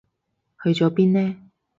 去咗邊呢？